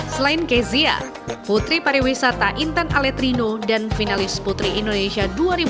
selain kezia putri pariwisata intan aletrino dan finalis putri indonesia dua ribu dua puluh